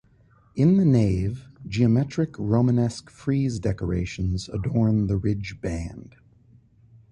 In the nave, geometric Romanesque frieze decorations adorn the ridge band.